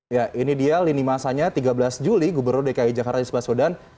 ya ini dia lini masanya tiga belas juli gubernur dki jakarta di sebelas sudan